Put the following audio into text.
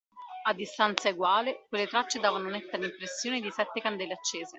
A distanza eguale, quelle tracce davano netta l’impressione di sette candele accese